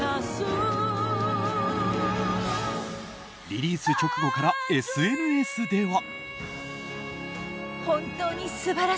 リリース直後からＳＮＳでは。